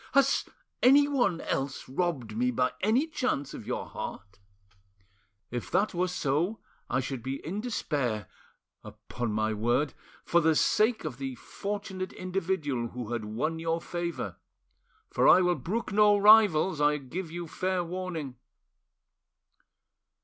Has anyone else robbed me by any chance of your heart? If that were so, I should be in despair, upon my word for the sake of the fortunate individual who had won your favour; for I will brook no rivals, I give you fair warning."